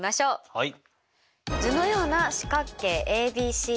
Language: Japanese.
はい。